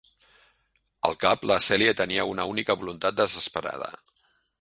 Al cap, la Celia hi tenia una única voluntat desesperada.